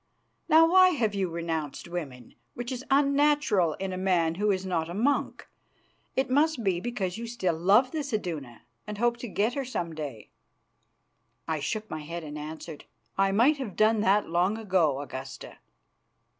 Now, why have you renounced women, which is unnatural in a man who is not a monk? It must be because you still love this Iduna, and hope to get her some day." I shook my head and answered, "I might have done that long ago, Augusta."